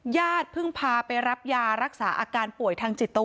ญาติพึ่งพาไปรับยารักษาอาการป่วยทางจิตเวศอืม